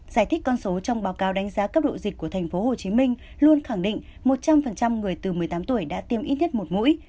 giải thích con số trong báo cáo đánh giá cấp độ dịch của thành phố hồ chí minh luôn khẳng định một trăm linh người từ một mươi tám tuổi đã tiêm ít nhất một mũi